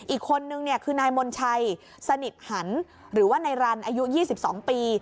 อีกคนนึงเนี่ยคือนายมนชัยสนิทหันหรือว่านายรันอายุ๒๒ปี